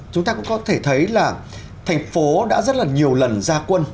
chúng ta cũng có thể thấy là thành phố đã rất là nhiều lần ra quân